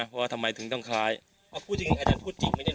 เพราะว่าทำไมถึงต้องคล้ายพูดจริงอาจารย์พูดจริงไม่ได้เห